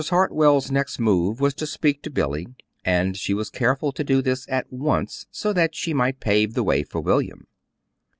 Hartwell's next move was to speak to Billy, and she was careful to do this at once, so that she might pave the way for William.